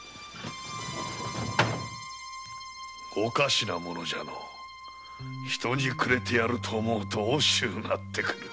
おかしなものじゃな人にくれてやると思うと惜しくなってくる。